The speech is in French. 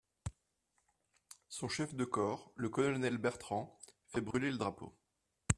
Son chef de corps, le colonel Bertrand, fait brûler le drapeau.